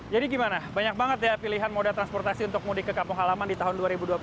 jadi gimana banyak banget ya pilihan mode transportasi untuk mudik ke kapung halaman di tahun dua ribu dua puluh tiga